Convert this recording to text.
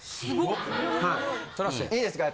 いいですか？